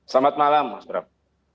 selamat malam mas bram